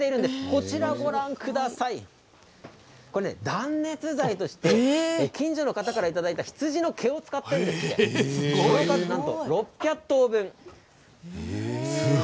こちら断熱材として近所の方からいただいた羊の毛を使っていてその数なんと６００頭分。